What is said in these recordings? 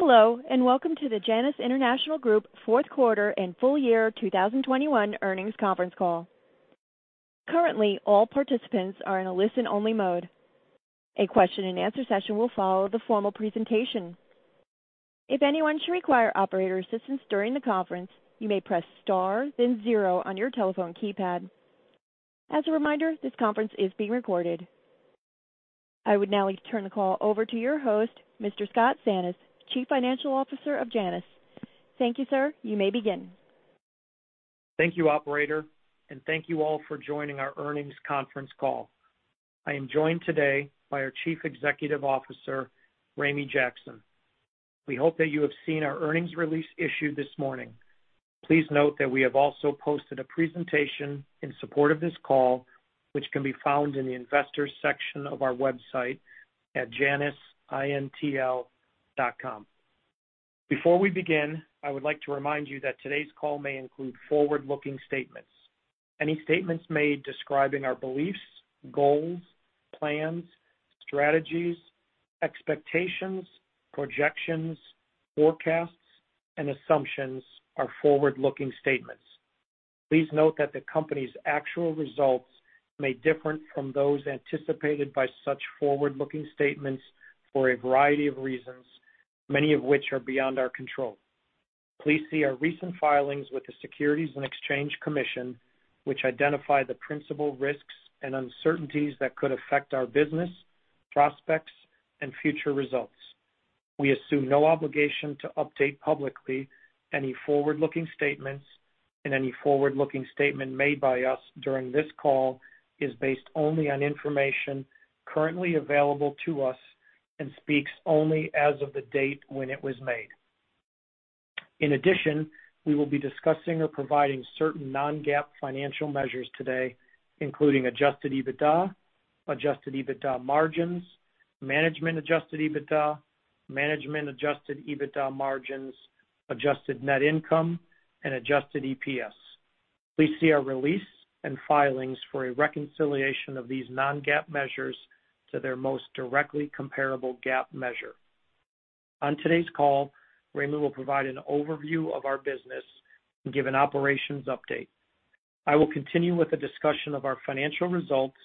Hello, and welcome to the Janus International Group fourth quarter and full year 2021 earnings conference call. Currently, all participants are in a listen-only mode. A question-and-answer session will follow the formal presentation. If anyone should require operator assistance during the conference, you may press star then zero on your telephone keypad. As a reminder, this conference is being recorded. I would now like to turn the call over to your host, Mr. Scott Sannes, Chief Financial Officer of Janus. Thank you, sir. You may begin. Thank you, operator, and thank you all for joining our earnings conference call. I am joined today by our Chief Executive Officer, Ramey Jackson. We hope that you have seen our earnings release issued this morning. Please note that we have also posted a presentation in support of this call, which can be found in the investors section of our website at janusintl.com. Before we begin, I would like to remind you that today's call may include forward-looking statements. Any statements made describing our beliefs, goals, plans, strategies, expectations, projections, forecasts, and assumptions are forward-looking statements. Please note that the company's actual results may differ from those anticipated by such forward-looking statements for a variety of reasons, many of which are beyond our control. Please see our recent filings with the Securities and Exchange Commission, which identify the principal risks and uncertainties that could affect our business, prospects, and future results. We assume no obligation to update publicly any forward-looking statements, and any forward-looking statement made by us during this call is based only on information currently available to us and speaks only as of the date when it was made. In addition, we will be discussing or providing certain non-GAAP financial measures today, including Adjusted EBITDA, Adjusted EBITDA margins, Management Adjusted EBITDA, Management Adjusted EBITDA margins, Adjusted Net Income, and Adjusted EPS. Please see our release and filings for a reconciliation of these non-GAAP measures to their most directly comparable GAAP measure. On today's call, Ramey will provide an overview of our business and give an operations update. I will continue with a discussion of our financial results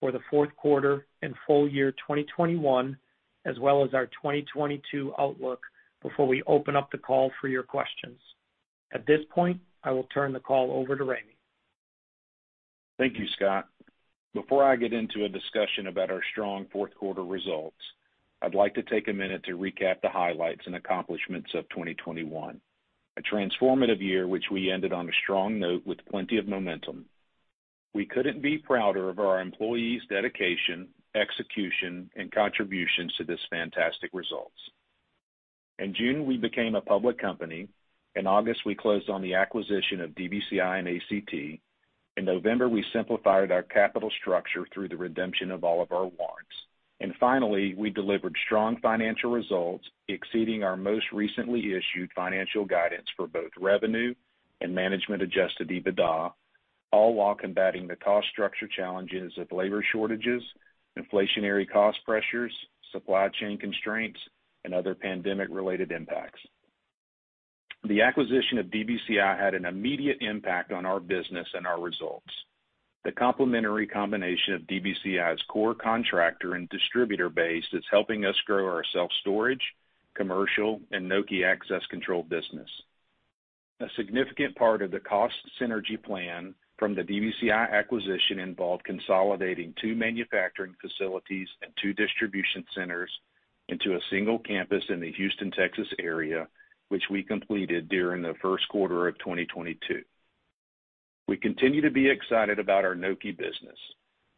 for the fourth quarter and full year 2021, as well as our 2022 outlook before we open up the call for your questions. At this point, I will turn the call over to Ramey. Thank you, Scott. Before I get into a discussion about our strong fourth quarter results, I'd like to take a minute to recap the highlights and accomplishments of 2021, a transformative year which we ended on a strong note with plenty of momentum. We couldn't be prouder of our employees' dedication, execution, and contributions to this fantastic results. In June, we became a public company. In August, we closed on the acquisition of DBCI and ACT. In November, we simplified our capital structure through the redemption of all of our warrants. Finally, we delivered strong financial results, exceeding our most recently issued financial guidance for both revenue and management adjusted EBITDA, all while combating the cost structure challenges of labor shortages, inflationary cost pressures, supply chain constraints, and other pandemic-related impacts. The acquisition of DBCI had an immediate impact on our business and our results. The complementary combination of DBCI's core contractor and distributor base is helping us grow our self-storage, commercial, and Nokē access control business. A significant part of the cost synergy plan from the DBCI acquisition involved consolidating two manufacturing facilities and two distribution centers into a single campus in the Houston, Texas area, which we completed during the first quarter of 2022. We continue to be excited about our Nokē business.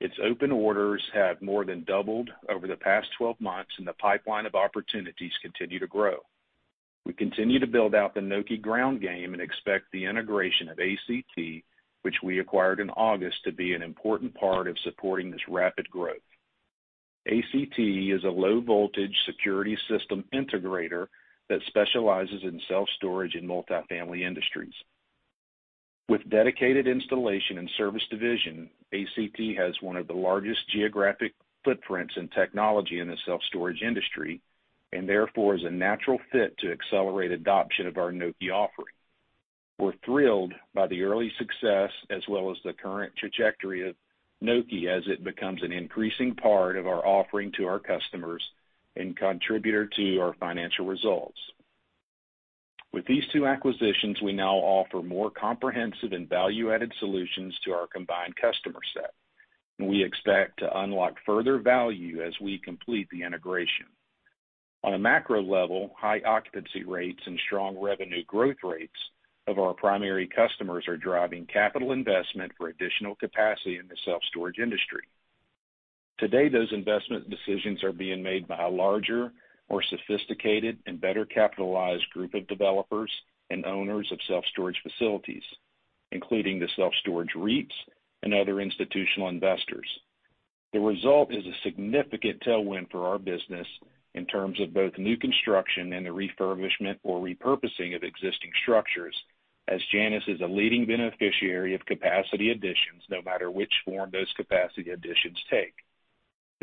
Its open orders have more than doubled over the past 12 months, and the pipeline of opportunities continue to grow. We continue to build out the Nokē ground game and expect the integration of ACT, which we acquired in August, to be an important part of supporting this rapid growth. ACT is a low-voltage security system integrator that specializes in self-storage and multifamily industries. With dedicated installation and service division, ACT has one of the largest geographic footprints in technology in the self-storage industry, and therefore is a natural fit to accelerate adoption of our Nokē offering. We're thrilled by the early success as well as the current trajectory of Nokē as it becomes an increasing part of our offering to our customers and contributor to our financial results. With these two acquisitions, we now offer more comprehensive and value-added solutions to our combined customer set, and we expect to unlock further value as we complete the integration. On a macro level, high occupancy rates and strong revenue growth rates of our primary customers are driving capital investment for additional capacity in the self-storage industry. Today, those investment decisions are being made by a larger, more sophisticated, and better capitalized group of developers and owners of self-storage facilities, including the self-storage REITs and other institutional investors. The result is a significant tailwind for our business in terms of both new construction and the refurbishment or repurposing of existing structures, as Janus is a leading beneficiary of capacity additions no matter which form those capacity additions take.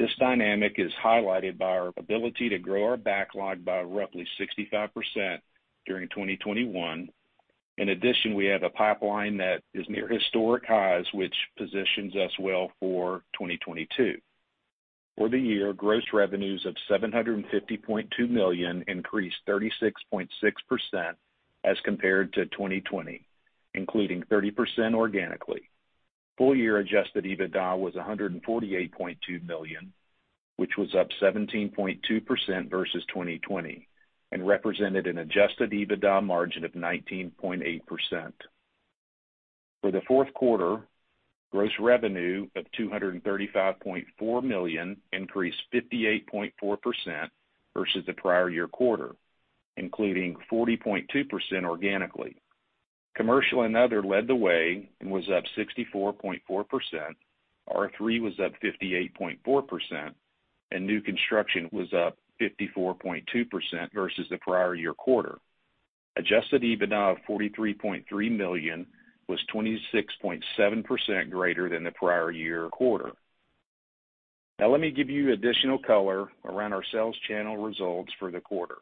This dynamic is highlighted by our ability to grow our backlog by roughly 65% during 2021. In addition, we have a pipeline that is near historic highs, which positions us well for 2022. For the year, gross revenues of $750.2 million increased 36.6% as compared to 2020, including 30% organically. Full year adjusted EBITDA was $148.2 million, which was up 17.2% versus 2020, and represented an adjusted EBITDA margin of 19.8%. For the fourth quarter, gross revenue of $235.4 million increased 58.4% versus the prior year quarter, including 40.2% organically. Commercial and other led the way and was up 64.4%. R3 was up 58.4%, and new construction was up 54.2% versus the prior year quarter. adjusted EBITDA of $43.3 million was 26.7% greater than the prior year quarter. Now, let me give you additional color around our sales channel results for the quarter.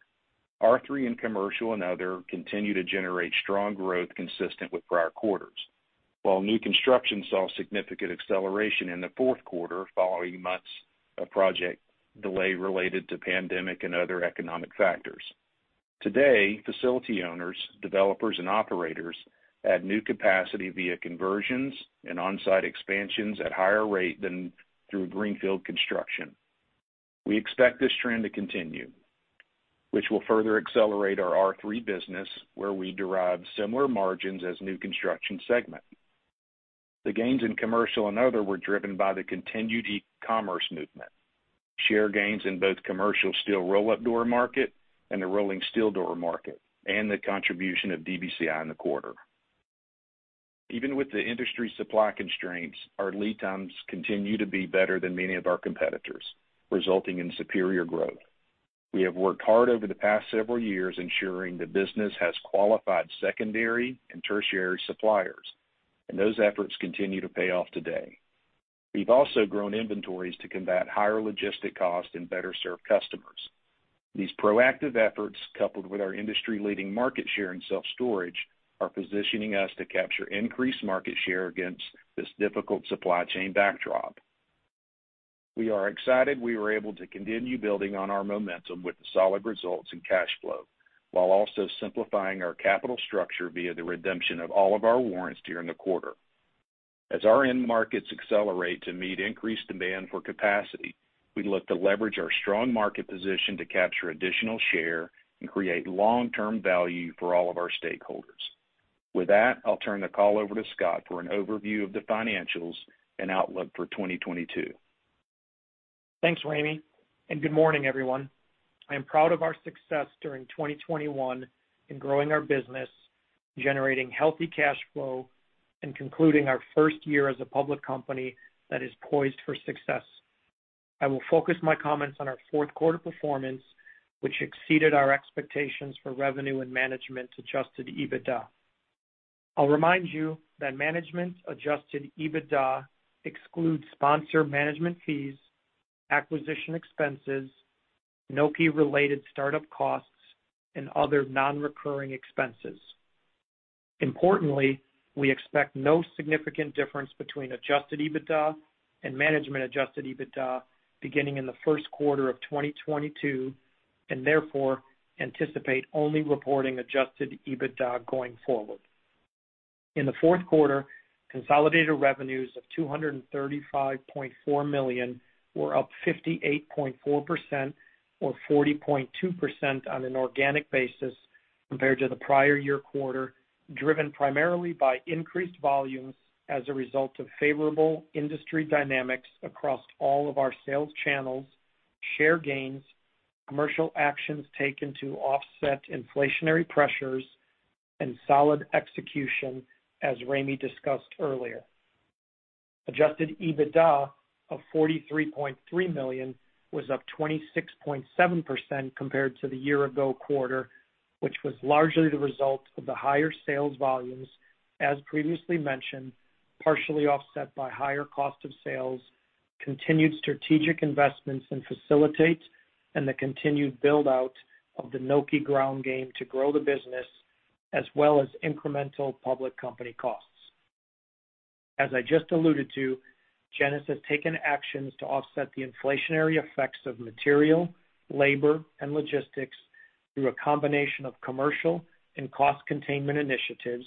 R3 and commercial and other continue to generate strong growth consistent with prior quarters, while new construction saw significant acceleration in the fourth quarter following months of project delay related to pandemic and other economic factors. Today, facility owners, developers and operators add new capacity via conversions and on-site expansions at higher rate than through greenfield construction. We expect this trend to continue, which will further accelerate our R3 business, where we derive similar margins as new construction segment. The gains in commercial and other were driven by the continued e-commerce movement, share gains in both commercial steel roll-up door market and the rolling steel door market, and the contribution of DBCI in the quarter. Even with the industry supply constraints, our lead times continue to be better than many of our competitors, resulting in superior growth. We have worked hard over the past several years ensuring the business has qualified secondary and tertiary suppliers, and those efforts continue to pay off today. We've also grown inventories to combat higher logistic costs and better serve customers. These proactive efforts, coupled with our industry-leading market share in self-storage, are positioning us to capture increased market share against this difficult supply chain backdrop. We are excited we were able to continue building on our momentum with solid results in cash flow, while also simplifying our capital structure via the redemption of all of our warrants during the quarter. As our end markets accelerate to meet increased demand for capacity, we look to leverage our strong market position to capture additional share and create long-term value for all of our stakeholders. With that, I'll turn the call over to Scott for an overview of the financials and outlook for 2022. Thanks, Ramey, and good morning, everyone. I am proud of our success during 2021 in growing our business, generating healthy cash flow, and concluding our first year as a public company that is poised for success. I will focus my comments on our fourth quarter performance, which exceeded our expectations for revenue and Management Adjusted EBITDA. I'll remind you that management's adjusted EBITDA excludes sponsor management fees, acquisition expenses, Nokē-related startup costs, and other non-recurring expenses. Importantly, we expect no significant difference between adjusted EBITDA and Management Adjusted EBITDA beginning in the first quarter of 2022, and therefore anticipate only reporting adjusted EBITDA going forward. In the fourth quarter, consolidated revenues of $235.4 million were up 58.4% or 40.2% on an organic basis compared to the prior year quarter, driven primarily by increased volumes as a result of favorable industry dynamics across all of our sales channels, share gains, commercial actions taken to offset inflationary pressures, and solid execution, as Ramey discussed earlier. Adjusted EBITDA of $43.3 million was up 26.7% compared to the year ago quarter, which was largely the result of the higher sales volumes, as previously mentioned, partially offset by higher cost of sales, continued strategic investments in Facilitate, and the continued build-out of the Nokē ground game to grow the business, as well as incremental public company costs. As I just alluded to, Janus has taken actions to offset the inflationary effects of material, labor, and logistics through a combination of commercial and cost containment initiatives,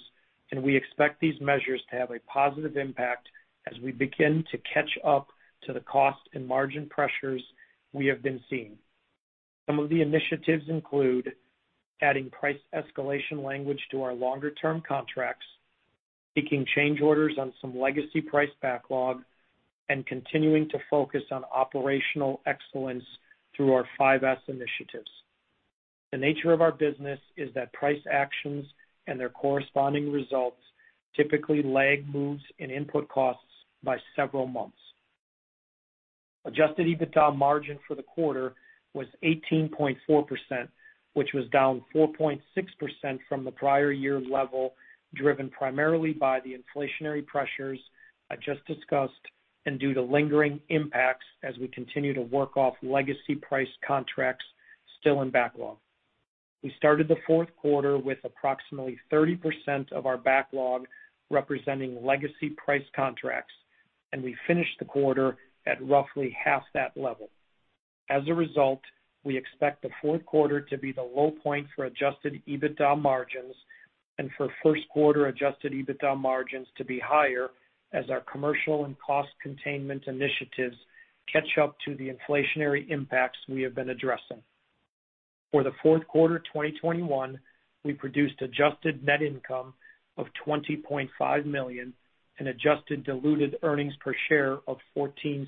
and we expect these measures to have a positive impact as we begin to catch up to the cost and margin pressures we have been seeing. Some of the initiatives include adding price escalation language to our longer-term contracts, taking change orders on some legacy price backlog, and continuing to focus on operational excellence through our 5S initiatives. The nature of our business is that price actions and their corresponding results typically lag moves in input costs by several months. Adjusted EBITDA margin for the quarter was 18.4%, which was down 4.6% from the prior year level, driven primarily by the inflationary pressures I just discussed and due to lingering impacts as we continue to work off legacy price contracts still in backlog. We started the fourth quarter with approximately 30% of our backlog representing legacy price contracts, and we finished the quarter at roughly half that level. As a result, we expect the fourth quarter to be the low point for adjusted EBITDA margins and for first quarter adjusted EBITDA margins to be higher as our commercial and cost containment initiatives catch up to the inflationary impacts we have been addressing. For the fourth quarter 2021, we produced adjusted net income of $20.5 million and adjusted diluted earnings per share of $0.14.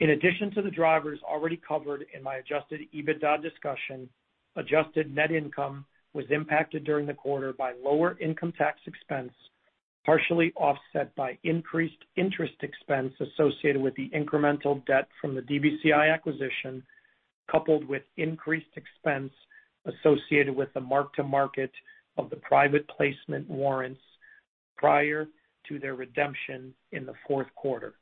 In addition to the drivers already covered in my adjusted EBITDA discussion, Adjusted Net Income was impacted during the quarter by lower income tax expense, partially offset by increased interest expense associated with the incremental debt from the DBCI acquisition, coupled with increased expense associated with the mark-to-market of the private placement warrants prior to their redemption in the fourth quarter.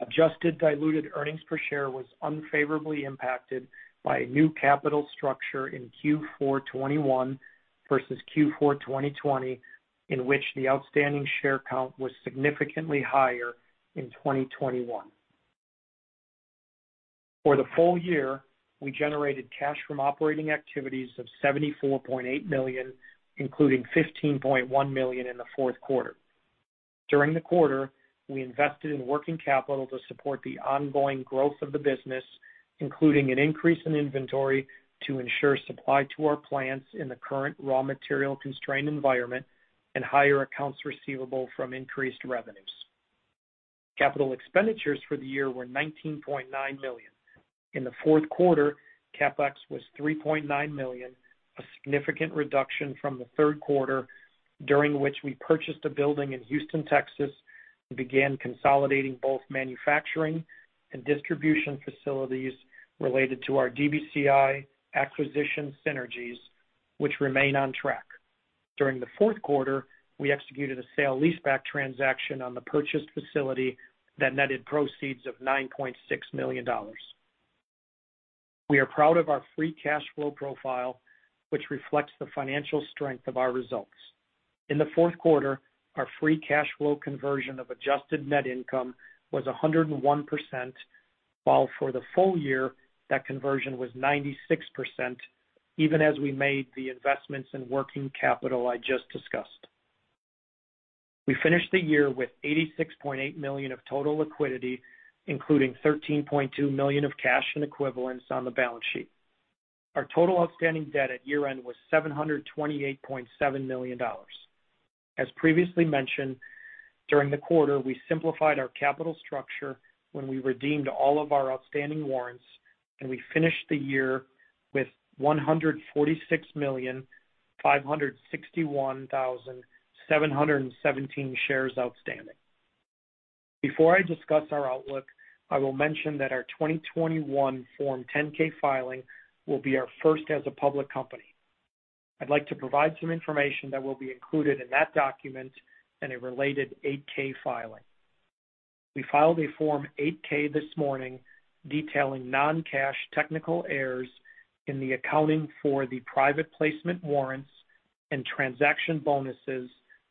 Adjusted diluted earnings per share was unfavorably impacted by a new capital structure in Q4 2021 versus Q4 2020, in which the outstanding share count was significantly higher in 2021. For the full year, we generated cash from operating activities of $74.8 million, including $15.1 million in the fourth quarter. During the quarter, we invested in working capital to support the ongoing growth of the business, including an increase in inventory to ensure supply to our plants in the current raw material constrained environment and higher accounts receivable from increased revenues. Capital expenditures for the year were $19.9 million. In the fourth quarter, CapEx was $3.9 million, a significant reduction from the third quarter, during which we purchased a building in Houston, Texas, and began consolidating both manufacturing and distribution facilities related to our DBCI acquisition synergies, which remain on track. During the fourth quarter, we executed a sale leaseback transaction on the purchased facility that netted proceeds of $9.6 million. We are proud of our free cash flow profile, which reflects the financial strength of our results. In the fourth quarter, our free cash flow conversion of adjusted Net Income was 101%, while for the full year that conversion was 96%, even as we made the investments in working capital I just discussed. We finished the year with $86.8 million of total liquidity, including $13.2 million of cash and equivalents on the balance sheet. Our total outstanding debt at year-end was $728.7 million. As previously mentioned, during the quarter, we simplified our capital structure when we redeemed all of our outstanding warrants, and we finished the year with 146,561,717 shares outstanding. Before I discuss our outlook, I will mention that our 2021 Form 10-K filing will be our first as a public company. I'd like to provide some information that will be included in that document and a related Form 8-K filing. We filed a Form 8-K this morning detailing non-cash technical errors in the accounting for the private placement warrants and transaction bonuses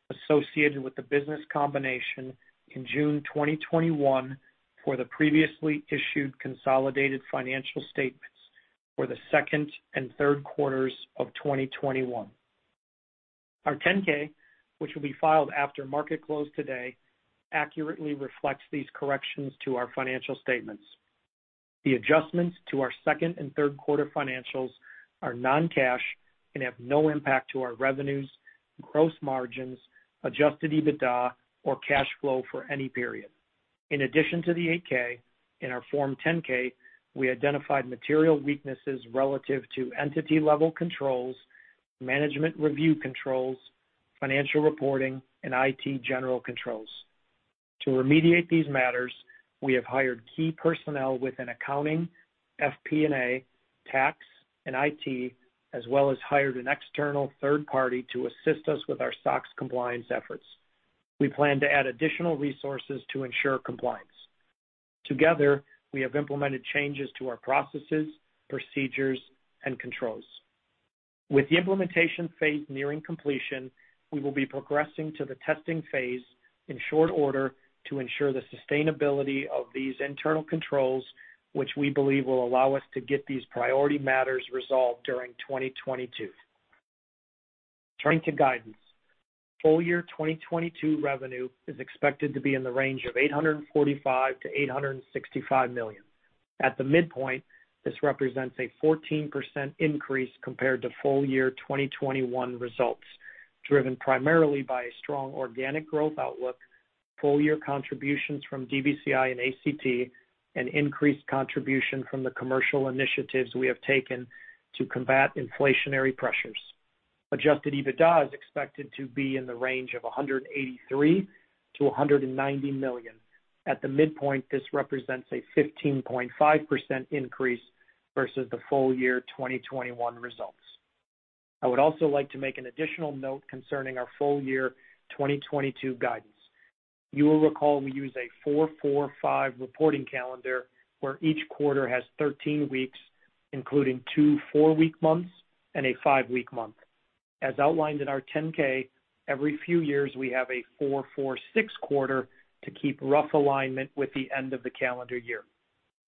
associated with the business combination in June 2021 for the previously issued consolidated financial statements for the second and third quarters of 2021. Our Form 10-K, which will be filed after market close today, accurately reflects these corrections to our financial statements. The adjustments to our second and third quarter financials are non-cash and have no impact to our revenues, gross margins, adjusted EBITDA, or cash flow for any period. In addition to the Form 8-K, in our Form 10-K, we identified material weaknesses relative to entity-level controls, management review controls, financial reporting, and IT general controls. To remediate these matters, we have hired key personnel within accounting, FP&A, tax, and IT, as well as hired an external third party to assist us with our SOX compliance efforts. We plan to add additional resources to ensure compliance. Together, we have implemented changes to our processes, procedures, and controls. With the implementation phase nearing completion, we will be progressing to the testing phase in short order to ensure the sustainability of these internal controls, which we believe will allow us to get these priority matters resolved during 2022. Turning to guidance. Full year 2022 revenue is expected to be in the range of $845 million-$865 million. At the midpoint, this represents a 14% increase compared to full year 2021 results, driven primarily by a strong organic growth outlook, full year contributions from DBCI and ACT, and increased contribution from the commercial initiatives we have taken to combat inflationary pressures. Adjusted EBITDA is expected to be in the range of $183 million-$190 million. At the midpoint, this represents a 15.5% increase versus the full year 2021 results. I would also like to make an additional note concerning our full year 2022 guidance. You will recall we use a 4-4-5 reporting calendar, where each quarter has 13 weeks, including two four-week months and a five-week month. As outlined in our 10-K, every few years we have a 4-4-6 quarter to keep rough alignment with the end of the calendar year.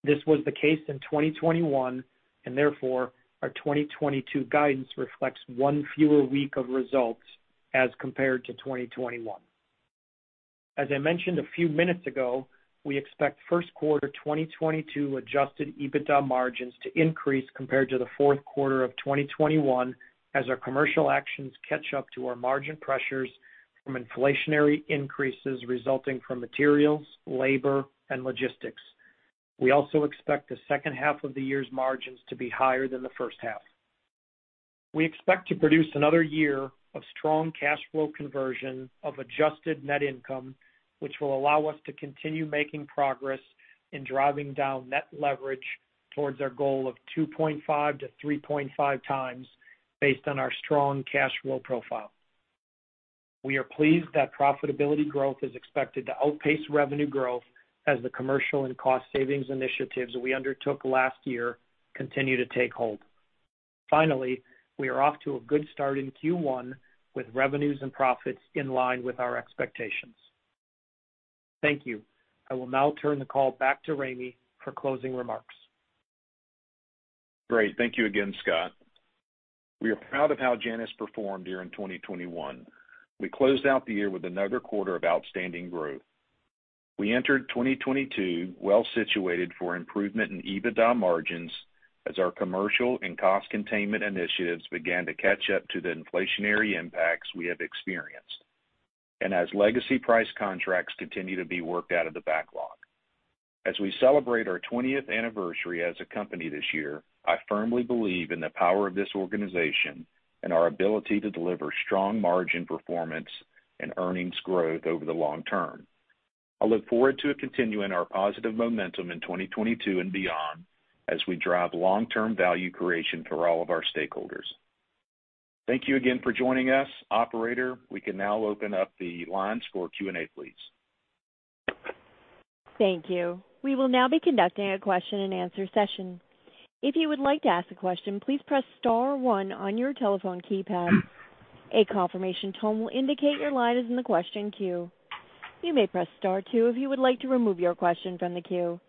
This was the case in 2021, and therefore our 2022 guidance reflects one fewer week of results as compared to 2021. As I mentioned a few minutes ago, we expect first quarter 2022 adjusted EBITDA margins to increase compared to the fourth quarter of 2021 as our commercial actions catch up to our margin pressures from inflationary increases resulting from materials, labor, and logistics. We also expect the second half of the year's margins to be higher than the first half. We expect to produce another year of strong cash flow conversion of Adjusted Net Income, which will allow us to continue making progress in driving down net leverage towards our goal of 2.5x-3.5x based on our strong cash flow profile. We are pleased that profitability growth is expected to outpace revenue growth as the commercial and cost savings initiatives we undertook last year continue to take hold. Finally, we are off to a good start in Q1 with revenues and profits in line with our expectations. Thank you. I will now turn the call back to Ramey for closing remarks. Great. Thank you again, Scott. We are proud of how Janus performed during 2021. We closed out the year with another quarter of outstanding growth. We entered 2022 well situated for improvement in EBITDA margins as our commercial and cost containment initiatives began to catch up to the inflationary impacts we have experienced and as legacy price contracts continue to be worked out of the backlog. As we celebrate our 20th anniversary as a company this year, I firmly believe in the power of this organization and our ability to deliver strong margin performance and earnings growth over the long term. I look forward to continuing our positive momentum in 2022 and beyond as we drive long-term value creation for all of our stakeholders. Thank you again for joining us. Operator, we can now open up the lines for Q&A, please. Thank you. We will now be conducting a question and answer session. If you would like to ask a question, please press star one on your telephone keypad. A confirmation tone will indicate your line is in the question queue. You may press star two if you would like to remove your question from the queue.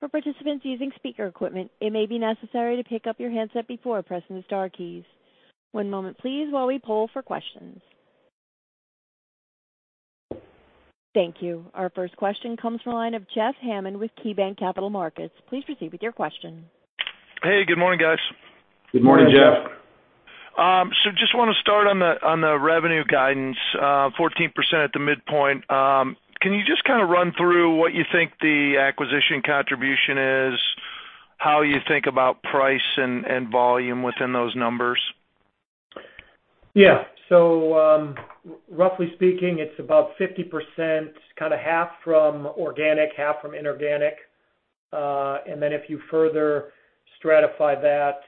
For participants using speaker equipment, it may be necessary to pick up your handset before pressing the star keys. One moment please while we poll for questions. Thank you. Our first question comes from the line of Jeffrey Hammond with KeyBanc Capital Markets. Please proceed with your question. Hey, good morning, guys. Good morning, Jeff. Good morning. Just wanna start on the revenue guidance, 14% at the midpoint. Can you just kind of run through what you think the acquisition contribution is, how you think about price and volume within those numbers? Yeah. Roughly speaking, it's about 50% kinda 1/2 from organic, 1/2 from inorganic. If you further stratify that,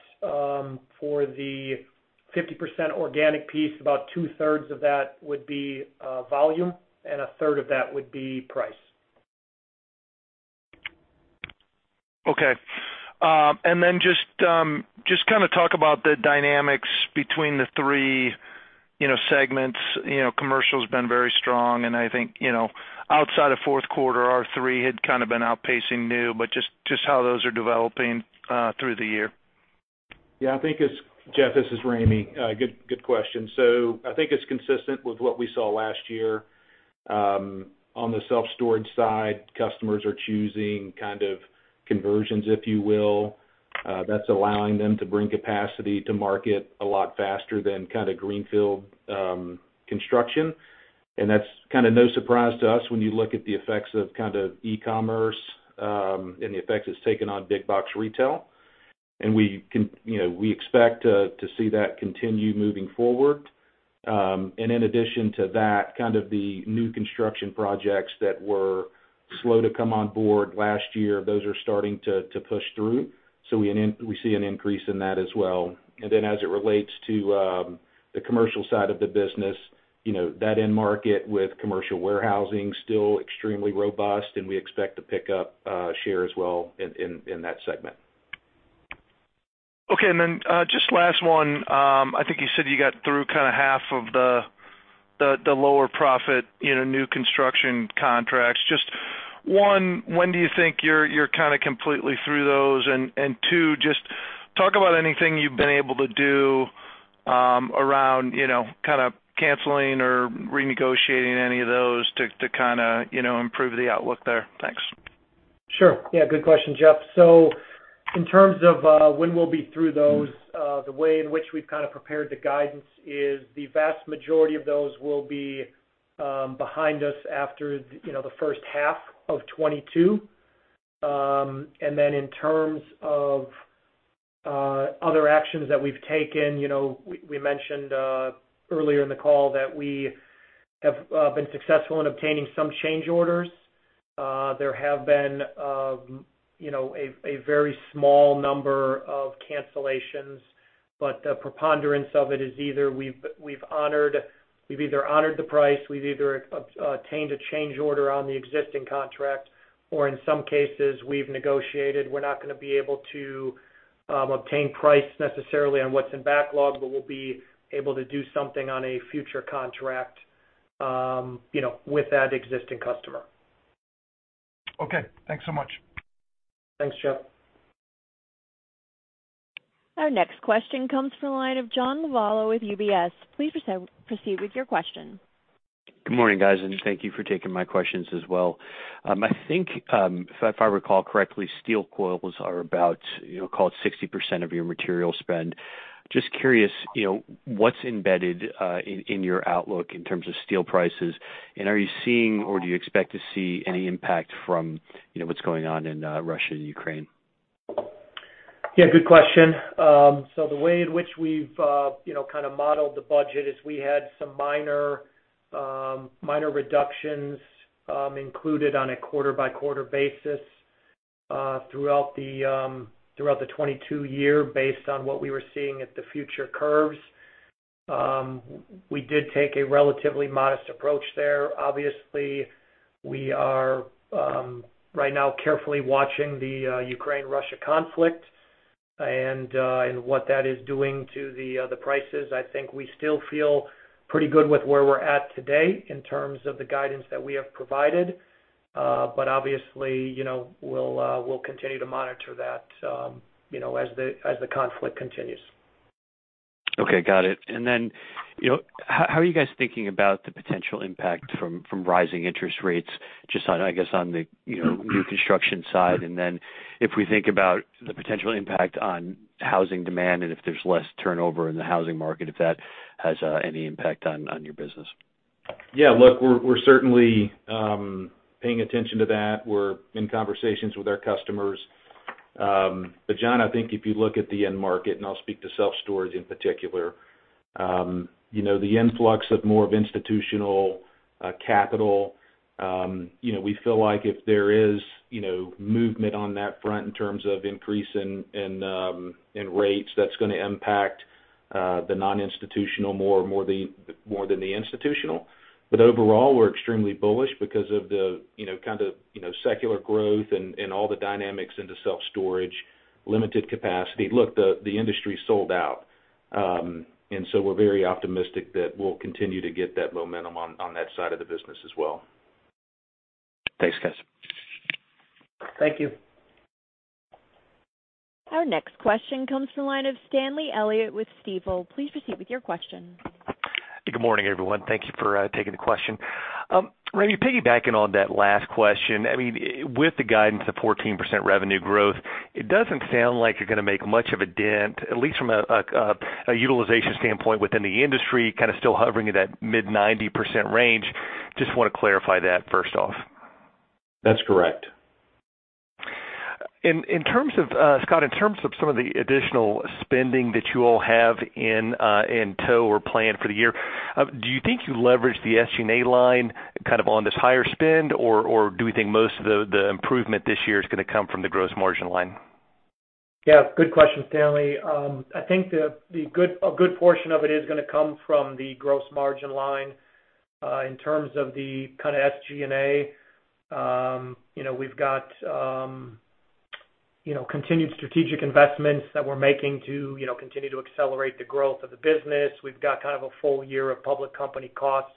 for the 50% organic piece, about 2/3 of that would be volume and 1/3 of that would be price. Okay. Just kinda talk about the dynamics between the three, you know, segments. You know, commercial's been very strong, and I think, you know, outside of fourth quarter, R3 had kind of been outpacing new, but just how those are developing through the year. I think it's Jeff, this is Ramey. Good question. I think it's consistent with what we saw last year. On the self-storage side, customers are choosing kind of conversions, if you will. That's allowing them to bring capacity to market a lot faster than kinda greenfield construction. That's kind of no surprise to us when you look at the effects of kind of e-commerce and the effects it's taken on big box retail. You know, we expect to see that continue moving forward. In addition to that, kind of the new construction projects that were slow to come on board last year, those are starting to push through. We see an increase in that as well. As it relates to the commercial side of the business, you know, that end market with commercial warehousing still extremely robust, and we expect to pick up share as well in that segment. Okay. Just last one. I think you said you got through kind of half of the lower-profit new construction contracts. Just one, when do you think you're kinda completely through those? Two, just talk about anything you've been able to do around you know kind of canceling or renegotiating any of those to kinda you know improve the outlook there. Thanks. Sure. Yeah, good question, Jeff. In terms of when we'll be through those, the way in which we've kind of prepared the guidance is the vast majority of those will be behind us after, you know, the first half of 2022. In terms of other actions that we've taken, you know, we mentioned earlier in the call that we have been successful in obtaining some change orders. There have been a very small number of cancellations, but the preponderance of it is either we've honored the price, we've either obtained a change order on the existing contract, or in some cases, we've negotiated. We're not gonna be able to obtain price necessarily on what's in backlog, but we'll be able to do something on a future contract, you know, with that existing customer. Okay. Thanks so much. Thanks, Jeff. Our next question comes from the line of John Lovallo with UBS. Please proceed with your question. Good morning, guys, and thank you for taking my questions as well. I think, if I recall correctly, steel coils are about, you know, call it 60% of your material spend. Just curious, you know, what's embedded in your outlook in terms of steel prices? Are you seeing or do you expect to see any impact from, you know, what's going on in Russia and Ukraine? Yeah, good question. So the way in which we've, you know, kind of modeled the budget is we had some minor reductions included on a quarter-by-quarter basis throughout the 2022 year based on what we were seeing at the futures curves. We did take a relatively modest approach there. Obviously, we are right now carefully watching the Ukraine-Russia conflict and what that is doing to the prices. I think we still feel pretty good with where we're at today in terms of the guidance that we have provided. Obviously, you know, we'll continue to monitor that, you know, as the conflict continues. Okay, got it. You know, how are you guys thinking about the potential impact from rising interest rates, just on, I guess, on the, you know, new construction side? If we think about the potential impact on housing demand and if there's less turnover in the housing market, if that has any impact on your business? Yeah. Look, we're certainly paying attention to that. We're in conversations with our customers. John, I think if you look at the end market, and I'll speak to self-storage in particular, you know, the influx of more institutional capital, you know, we feel like if there is, you know, movement on that front in terms of increase in rates, that's gonna impact the non-institutional more than the institutional. Overall, we're extremely bullish because of the, you know, kind of, you know, secular growth and all the dynamics into self-storage, limited capacity. Look, the industry's sold out. We're very optimistic that we'll continue to get that momentum on that side of the business as well. Thanks, guys. Thank you. Our next question comes from the line of Stanley Elliott with Stifel. Please proceed with your question. Good morning, everyone. Thank you for taking the question. Ramey, piggybacking on that last question, I mean, with the guidance of 14% revenue growth, it doesn't sound like you're gonna make much of a dent, at least from a utilization standpoint within the industry, kind of still hovering at that mid-90% range. Just wanna clarify that first off. That's correct. In terms of Scott, in terms of some of the additional spending that you all have in tow or planned for the year, do you think you leverage the SG&A line kind of on this higher spend or do we think most of the improvement this year is gonna come from the gross margin line? Yeah, good question, Stanley. I think a good portion of it is gonna come from the gross margin line. In terms of the kind of SG&A, you know, we've got continued strategic investments that we're making to continue to accelerate the growth of the business. We've got kind of a full year of public company costs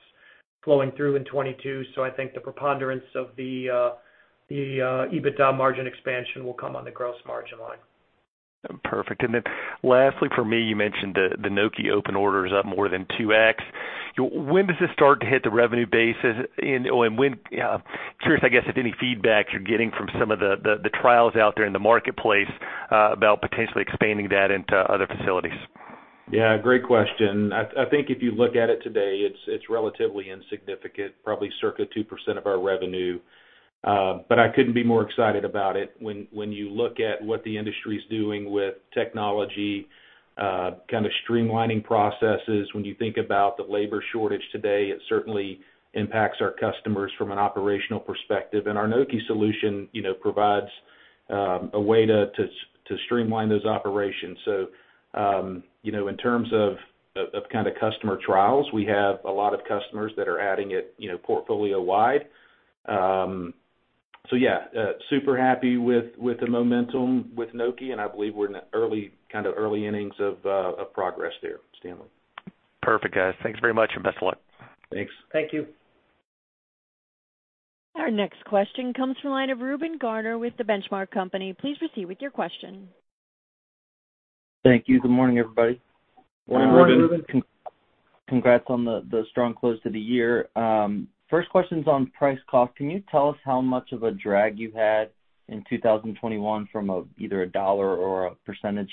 flowing through in 2022, so I think the preponderance of the EBITDA margin expansion will come on the gross margin line. Perfect. Then lastly for me, you mentioned the Nokē open order is up more than 2x. When does this start to hit the revenue bases? I'm curious, I guess, if any feedback you're getting from some of the trials out there in the marketplace about potentially expanding that into other facilities. Yeah, great question. I think if you look at it today, it's relatively insignificant, probably circa 2% of our revenue. I couldn't be more excited about it when you look at what the industry's doing with technology, kind of streamlining processes. When you think about the labor shortage today, it certainly impacts our customers from an operational perspective. Our Nokē solution, you know, provides a way to streamline those operations. You know, in terms of kind of customer trials, we have a lot of customers that are adding it, you know, portfolio-wide. Yeah, super happy with the momentum with Nokē, and I believe we're in the early, kind of early innings of progress there, Stanley. Perfect, guys. Thanks very much, and best of luck. Thanks. Thank you. Our next question comes from the line of Reuben Garner with The Benchmark Company. Please proceed with your question. Thank you. Good morning, everybody. Good morning, Reuben. Congrats on the strong close to the year. First question's on price cost. Can you tell us how much of a drag you had in 2021 from either a dollar or a percentage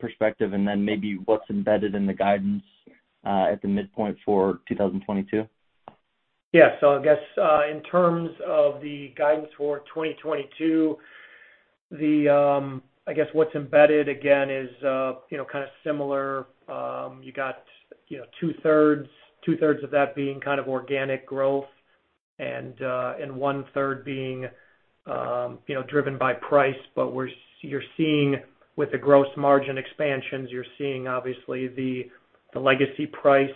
perspective? Then maybe what's embedded in the guidance at the midpoint for 2022? I guess in terms of the guidance for 2022. The, I guess what's embedded again is, you know, kind of similar. You got, you know, 2/3 of that being kind of organic growth and 1/3 being, you know, driven by price. You're seeing, with the gross margin expansions, you're seeing obviously the legacy priced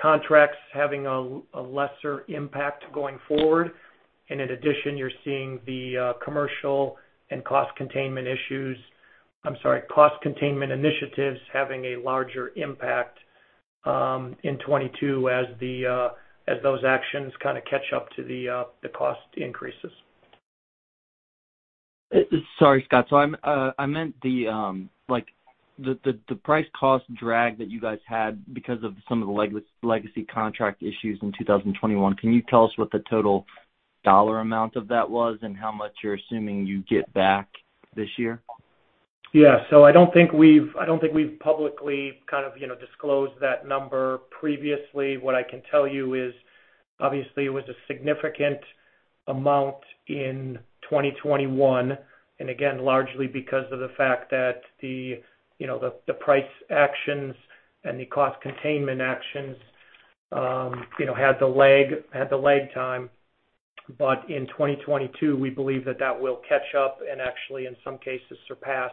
contracts having a lesser impact going forward. In addition, you're seeing the commercial and cost containment initiatives having a larger impact in 2022 as those actions catch up to the cost increases. Sorry, Scott. I meant the price cost drag that you guys had because of some of the legacy contract issues in 2021. Can you tell us what the total dollar amount of that was and how much you're assuming you get back this year? Yeah. I don't think we've publicly kind of, you know, disclosed that number previously. What I can tell you is, obviously it was a significant amount in 2021, and again, largely because of the fact that, you know, the price actions and the cost containment actions had the lag time. In 2022, we believe that will catch up and actually in some cases surpass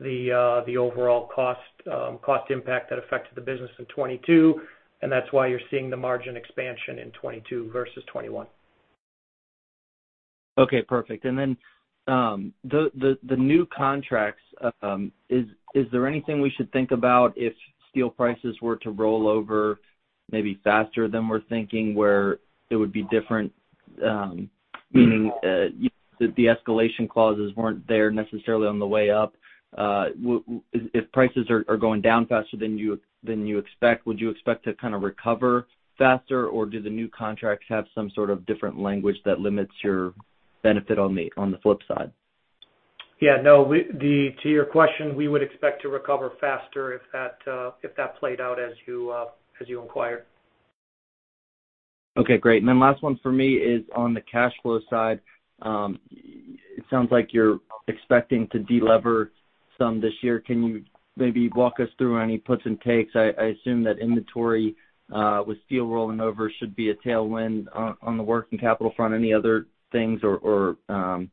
the overall cost impact that affected the business in 2022, and that's why you're seeing the margin expansion in 2022 versus 2021. Okay, perfect. The new contracts, is there anything we should think about if steel prices were to roll over maybe faster than we're thinking, where it would be different, meaning the escalation clauses weren't there necessarily on the way up? If prices are going down faster than you expect, would you expect to kind of recover faster, or do the new contracts have some sort of different language that limits your benefit on the flip side? Yeah, no. To your question, we would expect to recover faster if that played out as you inquired. Okay, great. Then last one for me is on the cash flow side. It sounds like you're expecting to de-lever some this year. Can you maybe walk us through any puts and takes? I assume that inventory with steel rolling over should be a tailwind on the working capital front. Any other things directionally,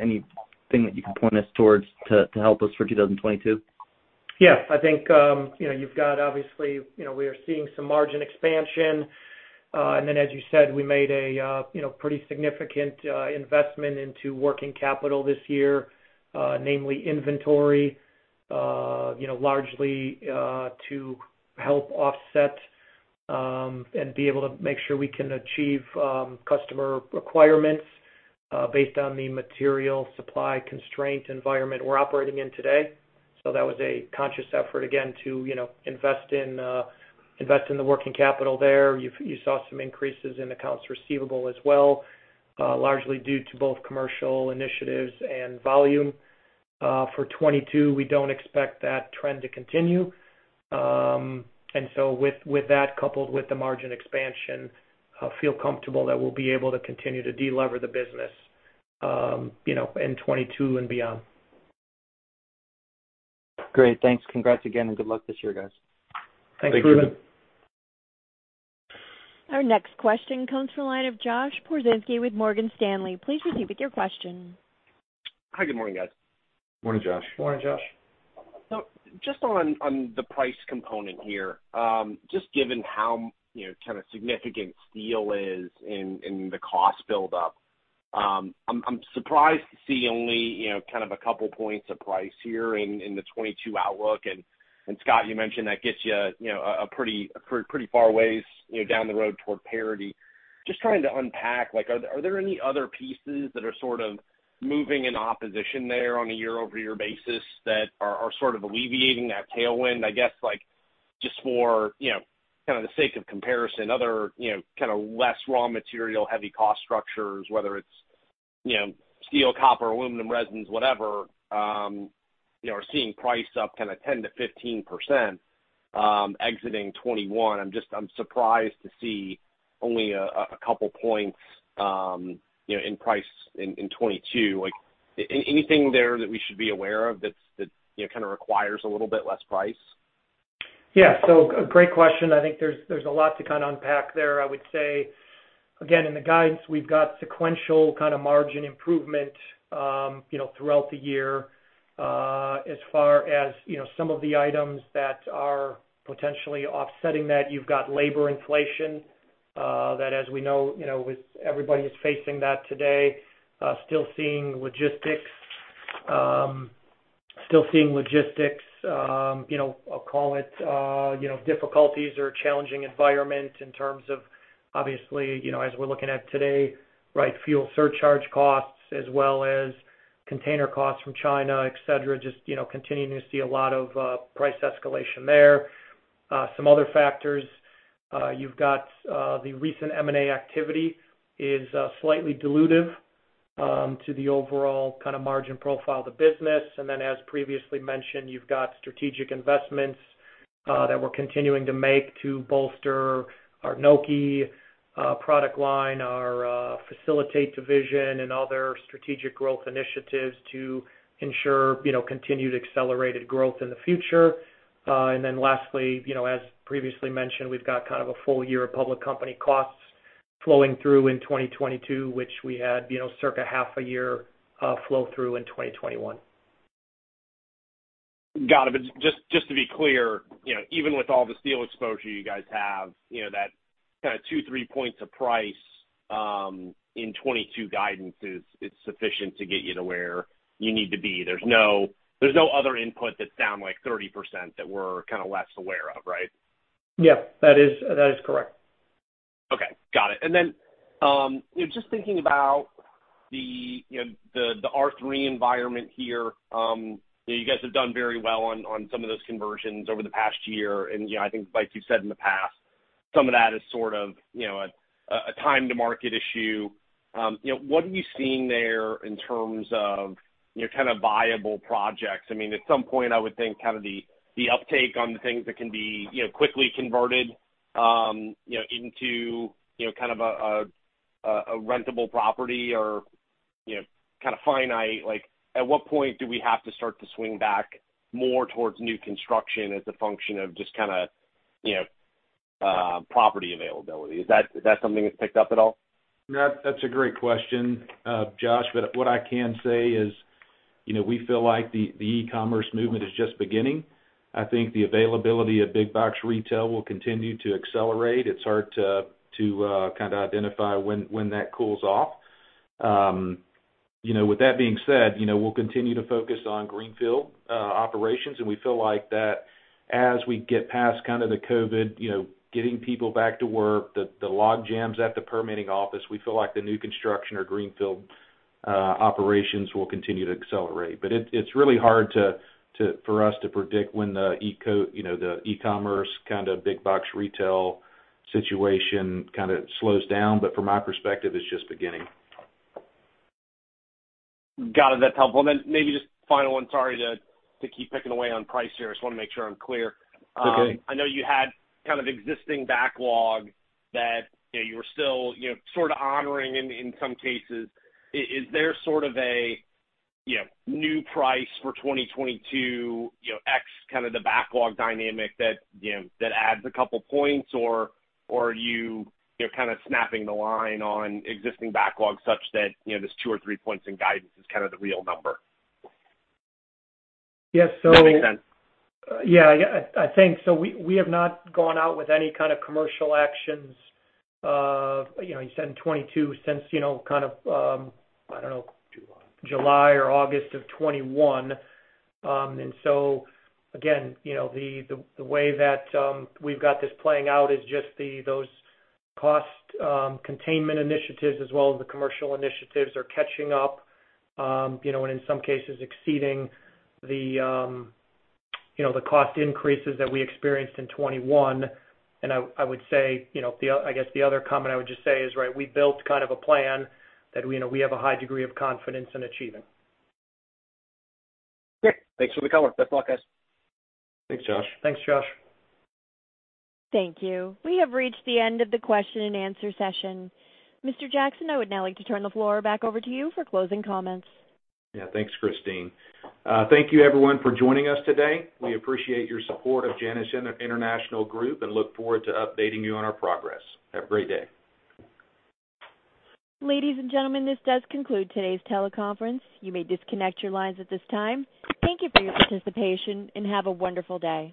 anything that you can point us towards to help us for 2022? Yes. I think you know you've got obviously you know we are seeing some margin expansion. As you said, we made a you know pretty significant investment into working capital this year, namely inventory, you know largely to help offset and be able to make sure we can achieve customer requirements based on the material supply constraint environment we're operating in today. That was a conscious effort again to you know invest in the working capital there. You saw some increases in accounts receivable as well largely due to both commercial initiatives and volume. For 2022, we don't expect that trend to continue. With that coupled with the margin expansion, we feel comfortable that we'll be able to continue to de-lever the business, you know, in 2022 and beyond. Great. Thanks. Congrats again and good luck this year, guys. Thanks, Reuben. Our next question comes from the line of Josh Pokrzywinski with Morgan Stanley. Please proceed with your question. Hi. Good morning, guys. Morning, Josh. Morning, Josh. Just on the price component here, just given how, you know, kind of significant steel is in the cost buildup, I'm surprised to see only, you know, kind of a couple points of price here in the 2022 outlook. Scott, you mentioned that gets you know, a pretty far ways, you know, down the road toward parity. Just trying to unpack, like, are there any other pieces that are sort of moving in opposition there on a year-over-year basis that are sort of alleviating that tailwind? I guess like just for, you know, kind of the sake of comparison, other, you know, kind of less raw material heavy cost structures, whether it's, you know, steel, copper, aluminum, resins, whatever, you know, are seeing price up kind of 10%-15%, exiting 2021. I'm surprised to see only a couple points, you know, in price in 2022. Like, anything there that we should be aware of that's, you know, kind of requires a little bit less price? Yeah. A great question. I think there's a lot to kind of unpack there. I would say, again, in the guidance, we've got sequential kind of margin improvement, you know, throughout the year. As far as, you know, some of the items that are potentially offsetting that, you've got labor inflation, that as we know, you know, with everybody who's facing that today, still seeing logistics, you know, I'll call it, you know, difficulties or challenging environment in terms of obviously, you know, as we're looking at today, right, fuel surcharge costs as well as container costs from China, et cetera, just, you know, continuing to see a lot of, price escalation there. Some other factors, you've got the recent M&A activity is slightly dilutive to the overall kind of margin profile of the business. As previously mentioned, you've got strategic investments that we're continuing to make to bolster our Nokē product line, our Facilitate division and other strategic growth initiatives to ensure, you know, continued accelerated growth in the future. Lastly, you know, as previously mentioned, we've got kind of a full year of public company costs flowing through in 2022, which we had, you know, circa half a year flow through in 2021. Got it. Just to be clear, you know, even with all the steel exposure you guys have, you know, that kinda 2-3 points of price in 2022 guidances, it's sufficient to get you to where you need to be. There's no other input that's down, like, 30% that we're kinda less aware of, right? Yeah, that is correct. Okay. Got it. You know, just thinking about the R3 environment here, you know, you guys have done very well on some of those conversions over the past year. You know, I think, like you said in the past, some of that is sort of a time to market issue. You know, what are you seeing there in terms of kind of viable projects? I mean, at some point, I would think kind of the uptake on the things that can be quickly converted into kind of a rentable property or kind of finite. Like, at what point do we have to start to swing back more towards new construction as a function of just kinda property availability? Is that something that's picked up at all? That's a great question, Josh, but what I can say is, you know, we feel like the e-commerce movement is just beginning. I think the availability of big box retail will continue to accelerate. It's hard to kinda identify when that cools off. You know, with that being said, you know, we'll continue to focus on greenfield operations, and we feel like that as we get past kind of the COVID, you know, getting people back to work, the log jams at the permitting office. We feel like the new construction or greenfield operations will continue to accelerate. It's really hard for us to predict when the e-commerce kind of big box retail situation kinda slows down. From my perspective, it's just beginning. Got it. That's helpful. Maybe just final one. Sorry to keep picking away on price here. I just wanna make sure I'm clear. It's okay. I know you had kind of existing backlog that, you know, you were still, you know, sort of honoring in some cases. Is there sort of a, you know, new price for 2022, you know, ex kind of the backlog dynamic that, you know, that adds a couple points, or are you know, kinda drawing the line on existing backlog such that, you know, this 2 or 3 points in guidance is kind of the real number? Yeah. If that makes sense. Yeah. I think so. We have not gone out with any kind of commercial actions, you know, in 2022 since, you know, kind of, I don't know, July or August of 2021. Again, you know, the way that we've got this playing out is just those cost containment initiatives as well as the commercial initiatives are catching up, you know, and in some cases exceeding the, you know, the cost increases that we experienced in 2021. I would say, you know, the other comment I would just say is, right, we built kind of a plan that we know we have a high degree of confidence in achieving. Great. Thanks for the color. Best of luck, guys. Thanks, Josh. Thanks, Josh. Thank you. We have reached the end of the question and answer session. Mr. Jackson, I would now like to turn the floor back over to you for closing comments. Yeah. Thanks, Christine. Thank you everyone for joining us today. We appreciate your support of Janus International Group and look forward to updating you on our progress. Have a great day. Ladies and gentlemen, this does conclude today's teleconference. You may disconnect your lines at this time. Thank you for your participation, and have a wonderful day.